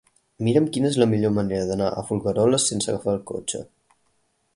Mira'm quina és la millor manera d'anar a Folgueroles sense agafar el cotxe.